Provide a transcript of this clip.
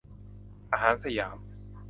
อาหารสยาม